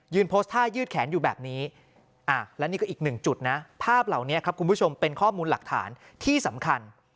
โพสต์ท่ายืดแขนอยู่แบบนี้และนี่ก็อีกหนึ่งจุดนะภาพเหล่านี้ครับคุณผู้ชมเป็นข้อมูลหลักฐานที่สำคัญ